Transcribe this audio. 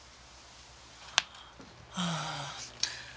ああ。